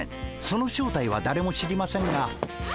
その正体はだれも知りませんが。